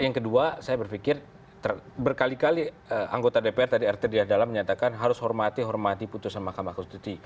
yang kedua saya berpikir berkali kali anggota dpr tadi arteriadala menyatakan harus hormati hormati putusan mahkamah konstitusi